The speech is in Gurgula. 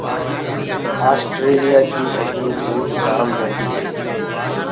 اسٽيليِآ ڪي ڍڳي دود جآم ديندي هي۔